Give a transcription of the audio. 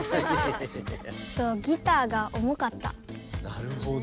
なるほど。